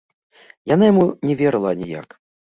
Яна яму не верыла аніяк.